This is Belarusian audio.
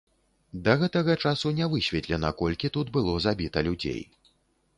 Да гэтага часу не высветлена, колькі тут было забіта людзей.